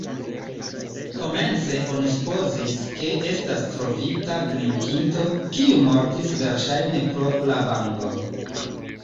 Komence oni supozis, ke estas trovita grimpinto, kiu mortis verŝajne pro lavango.